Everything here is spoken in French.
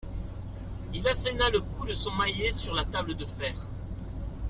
Il asséna le coup de son maillet sur la table de fer.